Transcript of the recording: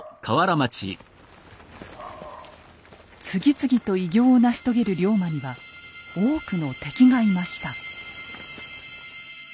次々と偉業を成し遂げる龍馬には多くの敵がいました。